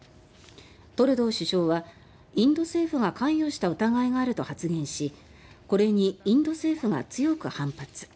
トルドー首相は、インド政府が関与した疑いがあると発言しこれにインド政府が強く反発。